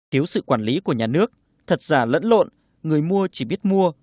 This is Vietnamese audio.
thiếu sự quản lý của nhà nước thật giả lẫn lộn người mua chỉ biết mua